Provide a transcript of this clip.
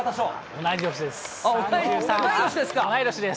同い年です。